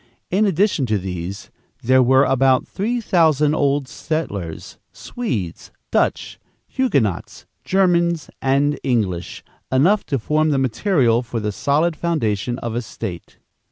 In addition to these, there were about three thousand old settlers Swedes, Dutch, Huguenots, Germans and English enough to form the material for the solid foundation of a State.